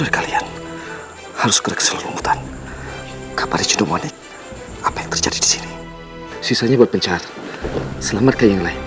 pintar sekali ratu kukendeng permoni